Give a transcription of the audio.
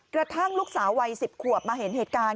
กระทั่งลูกสาววัย๑๐ขวบมาเห็นเหตุการณ์